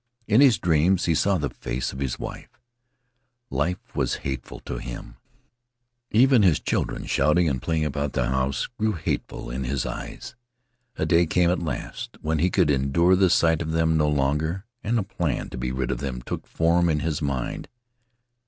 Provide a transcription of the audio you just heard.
In his dreams he saw the face of his wife; life was hateful to him; even his children, shouting and playing about the house, grew hateful in his eyes. A day came at last when he could endure the sight of them no longer, and a plan to be rid of them took form in his mind.